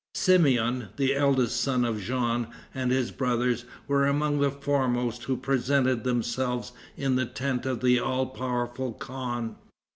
Simeon, the eldest son of Jean, and his brothers, were among the foremost who presented themselves in the tent of the all powerful khan.